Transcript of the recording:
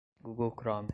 google chrome